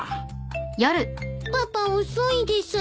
パパ遅いです。